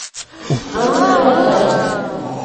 دورك يا سامي.